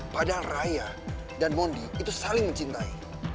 padahal raya dan mondi itu saling mencintai